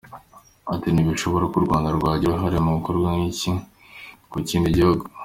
Ati: “Ntibishoboka ko u Rwanda rwagira uruhare mu gikorwa nk’iki mu kindi gihugu.